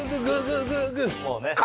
もうね。